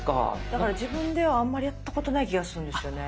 だから自分ではあんまりやったことない気がするんですよね。